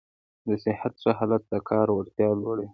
د صحت ښه حالت د کار وړتیا لوړوي.